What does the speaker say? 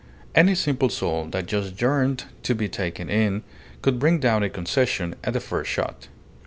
Any simple soul that just yearned to be taken in could bring down a concession at the first shot.